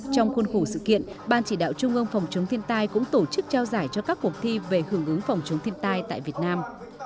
trong khuôn khổ sự kiện ban chỉ đạo trung ương phòng chống thiên tai cũng tổ chức trao giải cho các cuộc thi về hưởng ứng phòng chống thiên tai tại việt nam